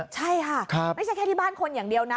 ใช่ค่ะไม่ใช่แค่ที่บ้านคนอย่างเดียวนะ